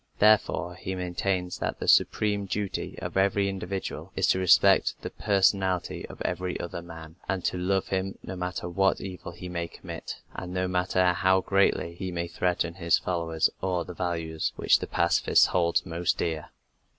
Therefore, he maintains that the supreme duty of every individual is to respect the personality of every other man, and to love him, no matter what evil he may commit, and no matter how greatly he may threaten his fellows or the values which the pacifist holds most dear.